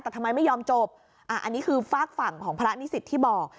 แต่ทำไมไม่ยอมจบอันนี้คือฝากฝั่งของพระนิสิตที่บอก